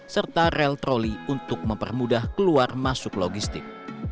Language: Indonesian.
serta rel troli untuk mempermudah keluar masuk logistik